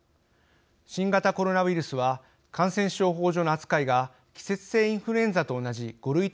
新型コロナウイルスは感染症法上の扱いが季節性インフルエンザと同じ５類となりました。